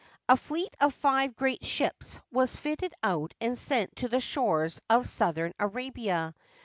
A fleet of five great ships was fitted out and sent to the shores of southern Arabia.